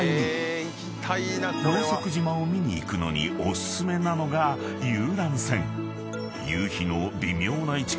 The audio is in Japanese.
［ローソク島を見に行くのにお薦めなのが遊覧船］